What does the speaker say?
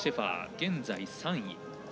現在、３位。